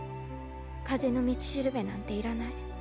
かぜのみちしるべなんていらない。